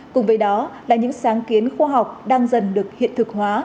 cùng với đó là những sáng kiến khoa học đang dần được hiện thực hóa